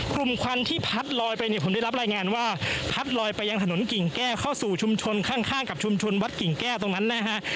ควันที่พัดลอยไปเนี่ยผมได้รับรายงานว่าพัดลอยไปยังถนนกิ่งแก้วเข้าสู่ชุมชนข้างกับชุมชนวัดกิ่งแก้วตรงนั้นนะฮะ